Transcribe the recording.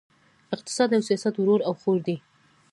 اقتصاد او سیاست ورور او خور دي!